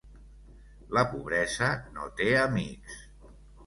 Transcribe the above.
La pobresa no té amics.